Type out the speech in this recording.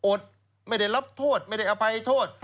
อดไม่ได้รับโทษไม่ได้อภัยโทษ